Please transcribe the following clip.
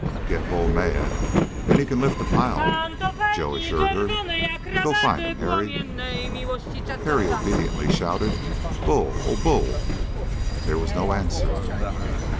"Get Bull mad and he can lift a pile," Joe assured her. "Go find him, Harry." Harry obediently shouted, "Bull! Oh, Bull!" There was no answer.